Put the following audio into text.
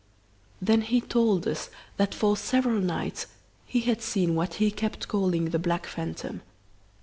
"Then he told us that for several nights he had seen what he kept calling the black phantom.